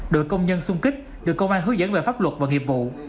đội công nhân xung kích được công an hướng dẫn về pháp luật và nghiệp vụ